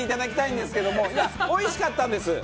いやおいしかったんです。